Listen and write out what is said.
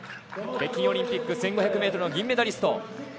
北京オリンピック１５００ｍの銀メダリスト。